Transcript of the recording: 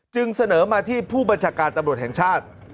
จึงเสนอมาที่ผู้บัญชาการตำรวจแห่งชาติ